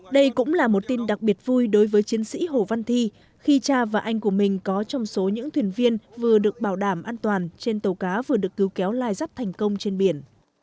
đây cũng là một tin đặc biệt vui đối với chiến sĩ hồ văn thi khi cha và anh của mình có trong số những thuyền viên vừa được bảo đảm an toàn trên tàu cá vừa được cứu kéo lai dắt thành công trên biển